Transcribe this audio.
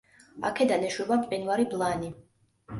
აქედან ეშვება მყინვარი ბლანი.